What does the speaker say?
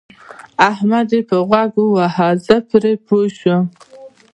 احمد يې په غوږ وواهه زه پرې پوه شوم.